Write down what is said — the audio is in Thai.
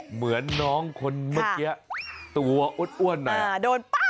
เหมือนน้องคนเมื่อกี้ตัวอ้วนหน่อย